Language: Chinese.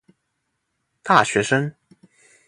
大学生